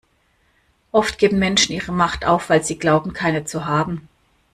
Oft geben Menschen ihre Macht auf, weil sie glauben, keine zu haben.